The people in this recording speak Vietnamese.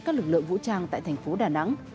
các lực lượng vũ trang tại thành phố đà nẵng